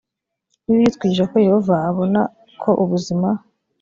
bibiliya itwigisha ko yehova abona ko ubuzima